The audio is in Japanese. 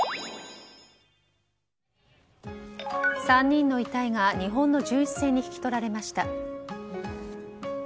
３人の遺体が日本の巡視船に引き取られました。